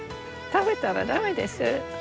食べたら駄目です。